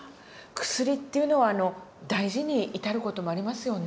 薬っていうのは大事に至る事もありますよね。